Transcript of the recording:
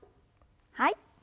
はい。